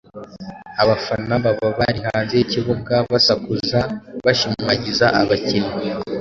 Abafana baba bari hanze y’ikibuga basakuza bashimagiza abakinnyi.